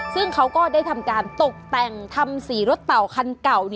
ซึ่งเขาก็ได้ทำการตกแต่งทำสีรถเต่าคันเก่า